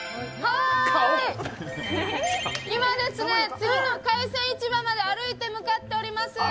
次の海鮮市場まで歩いて向かってます。